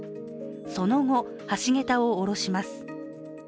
その後、橋桁をおろします。